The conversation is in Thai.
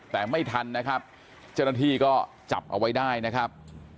แต่ไม่ทันนะครับเจ้าหน้าที่ก็จับเอาไว้ได้นะครับ